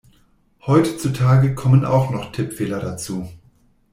Heutzutage kommen auch noch Tippfehler dazu.